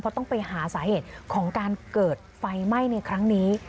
เพราะต้องไปหาสาเหตุของการเกิดไฟไหม้ในครั้งนี้